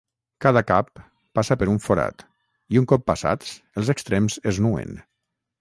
Cada cap passa per un forat i, un cop passats, els extrems es nuen.